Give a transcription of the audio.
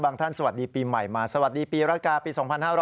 ท่านสวัสดีปีใหม่มาสวัสดีปีรกาปี๒๕๖๐